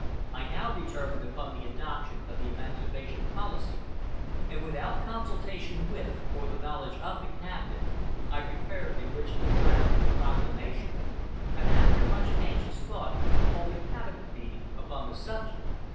I now determined upon the adoption of the emancipation policy, and without consultation with, or the knowledge of the cabinet, I prepared the original draft of the proclamation, and after much anxious thought, called a cabinet meeting upon the subject....